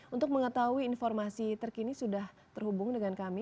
untuk mengetahui informasi terkini sudah terhubung dengan kami